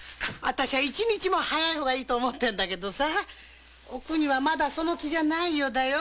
一日も早い方がいいと思ってるんだけどおくみにはまだその気がない。